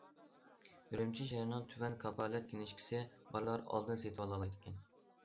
ئۈرۈمچى شەھىرىنىڭ تۆۋەن كاپالەت كىنىشكىسى بارلار ئالدىن سېتىۋالالايدىكەن.